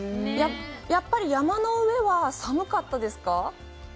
やっぱり、山の上は寒かったですか？